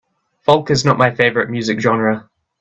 Folk is not my favorite music genre.